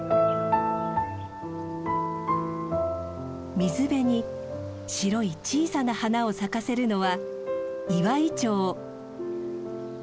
水辺に白い小さな花を咲かせるのはイワイチョウ。